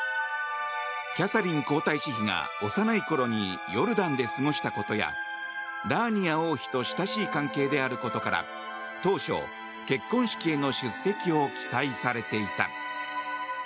キャサリン皇太子妃が幼いころにヨルダンで過ごしたことやラーニア王妃と親しい関係であることから当初、結婚式への出席を期待されていた。